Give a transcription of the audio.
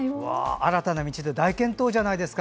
新たな道で大健闘じゃないですか！